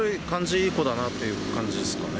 いい子だなっていう感じですかね。